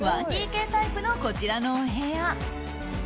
１ＤＫタイプのこちらのお部屋。